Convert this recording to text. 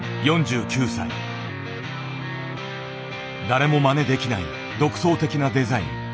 誰もまねできない独創的なデザイン。